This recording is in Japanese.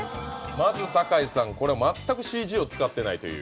まず、これ全くＣＧを使ってないという。